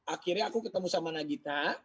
akhirnya aku ketemu sama nagita